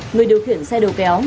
người điều khiển xe đầu kéo